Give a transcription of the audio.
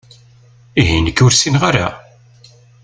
Ihi nekki ur ssineɣ ara?